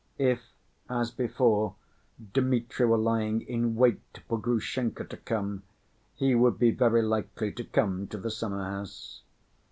If, as before, Dmitri were lying in wait for Grushenka to come, he would be very likely to come to the summer‐house.